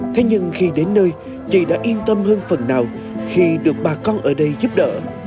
thế nhưng khi đến nơi chị đã yên tâm hơn phần nào khi được bà con ở đây giúp đỡ